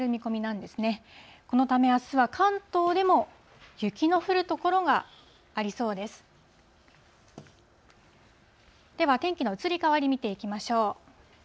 では、天気の移り変わり、見ていきましょう。